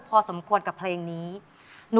ขอบคุณครับผมโหยอดเยี่ยมเลยนะ